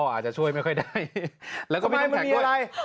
อาจจะช่วยไม่ค่อยได้แล้วก็ไม่มันมีอะไร